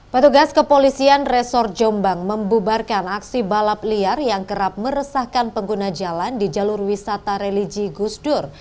petugas kepolisian resor jombang membubarkan aksi balap liar yang kerap meresahkan pengguna jalan di jalur wisata religi gusdur